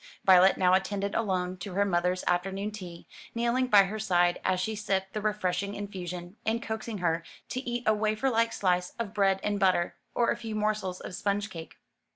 Violet now attended alone to her mother's afternoon tea, kneeling by her side as she sipped the refreshing infusion, and coaxing her to eat a waferlike slice of bread and butter, or a few morsels of sponge cake.